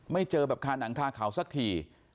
ไม่เจอแบบคาหนังทาขาวสักที